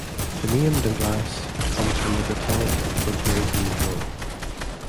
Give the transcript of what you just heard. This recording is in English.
The name "Dunglass" comes from the Brittonic for "grey-green hill".